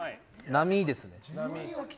並ですね。